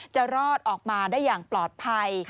จะรอดออกมาได้อย่างปลอดภัย